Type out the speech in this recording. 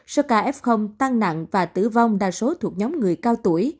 số ca f tăng nặng và tử vong đa số thuộc nhóm người cao tuổi